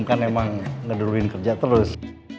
kan emang ngeduluin kerja terus